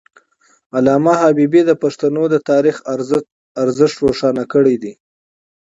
علامه حبيبي د پښتنو د تاریخ ارزښت روښانه کړی دی.